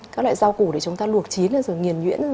các loại rau củ để chúng ta luộc chín lên rồi nghiền nhuyễn